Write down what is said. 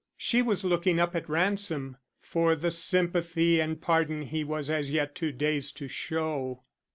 She was looking up at Ransom for the sympathy and pardon he was as yet too dazed to show.